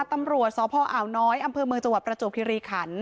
ตำรวจสอนอพจประจำพิธธิ์ี่ริขัน